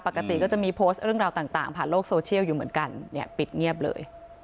ปกติก็จะมีโพสต์เรื่องราวต่างผ่านโลกโซเชียลอยู่เหมือนกันเนี่ยปิดเงียบเลย